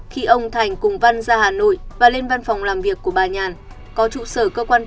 khi ông thành cùng văn ra hà nội và lên văn phòng làm việc của bà nhàn